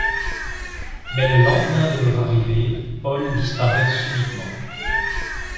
Mais le lendemain de leur arrivée, Paul disparaît subitement.